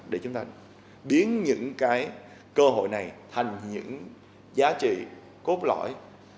để chúng ta biến những cái cơ hội này thành những giá trị cốt lõi